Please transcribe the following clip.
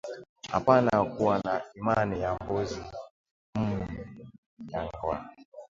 Apana kuwa na imani ya mbuzi mu jangwa